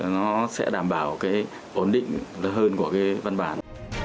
nó sẽ đảm bảo ổn định hơn của văn bản